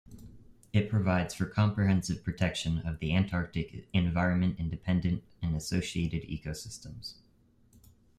It provides for comprehensive protection of the Antarctic environment and dependent and associated ecosystems.